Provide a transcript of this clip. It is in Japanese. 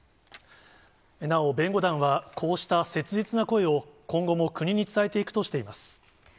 なお弁護団は、こうした切実な声を、今後も国に伝えていくとしています。